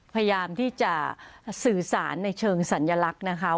พยายามที่จะสื่อสารในเชิงสัญลักษณ์นะคะ